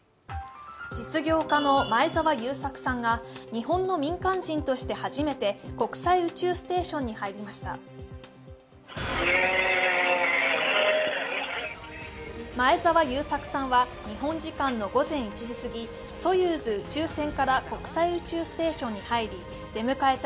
実業家の前澤友作さんが日本の民間人として初めて国際宇宙ステーションに入りました。